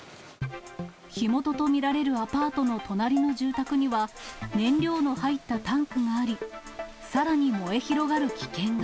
火元と見られるアパートの隣の住宅には、燃料の入ったタンクがあり、さらに燃え広がる危険が。